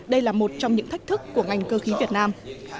đây là một trong những thách thức của ngành cơ khí việt nam